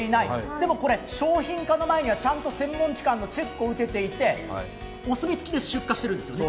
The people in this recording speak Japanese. でも商品化の前にはちゃんと専門機関のチェックを受けていて、お墨付きで出荷してるんですよね。